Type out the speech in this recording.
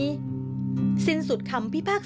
แต่สะท้อนมาจากเรื่องราวในชีวิตจริงของเยาวชนเหล่านี้